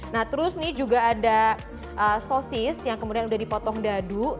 nah terus nih juga ada sosis yang kemudian udah dipotong dadu